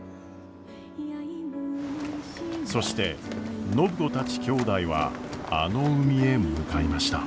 そして暢子たちきょうだいはあの海へ向かいました。